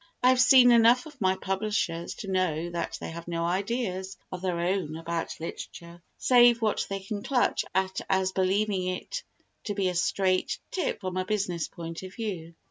I have seen enough of my publishers to know that they have no ideas of their own about literature save what they can clutch at as believing it to be a straight tip from a business point of view.